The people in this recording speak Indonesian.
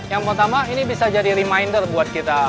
yang pertama ini bisa jadi reminder buat kita